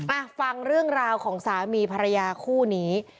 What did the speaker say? อ่ะฟังเรื่องราวของสามีภรรยาคู่นี้